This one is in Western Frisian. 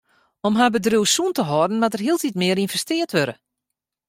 Om har bedriuw sûn te hâlden moat der hieltyd mear ynvestearre wurde.